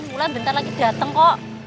bulan bentar lagi dateng kok